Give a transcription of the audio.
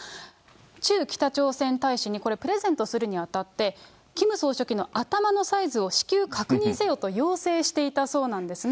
駐北朝鮮大使に、これ、プレゼントするにあたって、キム総書記の頭のサイズを至急確認せよと要請していたそうなんですね。